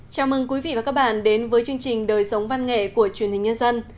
chào mừng quý vị và các bạn đến với chương trình đời sống văn nghệ của truyền hình nhân dân